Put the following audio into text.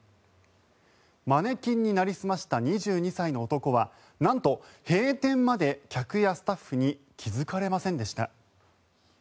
マネキンになりすました２２歳の男はなんと、閉店まで客やスタッフに気付かれませんでした。